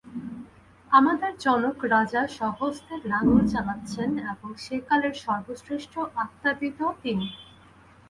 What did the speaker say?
আমাদের জনক রাজা স্বহস্তে লাঙ্গল চালাচ্ছেন এবং সে কালের সর্বশ্রেষ্ট আত্মাবিৎও তিনি।